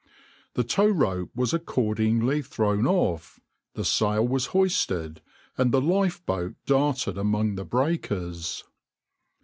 The tow rope was accordingly thrown off, the sail was hoisted, and the lifeboat darted among the breakers.